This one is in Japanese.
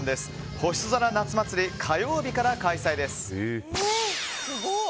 星空夏祭りは火曜日から開催です。